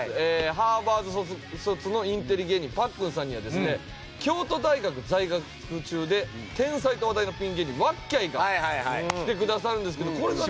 ハーバード卒のインテリ芸人パックンさんにはですね京都大学在学中で天才と話題のピン芸人わっきゃいが来てくださるんですけど。